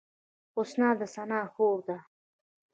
حسنا د ثنا خور ده